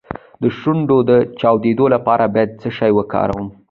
د شونډو د چاودیدو لپاره باید څه شی وکاروم؟